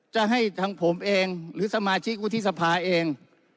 จะให้ทางผมเองหรือสมาชิกวุฒิสภาเอง